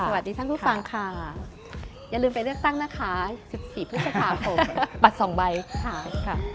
สวัสดีท่านผู้ฟังค่ะอย่าลืมไปเลือกตั้งนะคะ๑๔พฤษภาคมบัตรสองใบค่ะ